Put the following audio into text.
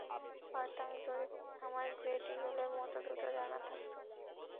পারতাম, যদি আমার গ্রেট ঈগলের মতো দুটো ডানা থাকত।